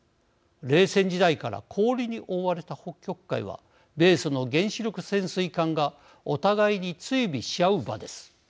冷戦時代から氷に覆われた北極海は米ソの原子力潜水艦がお互いに追尾し合う場です。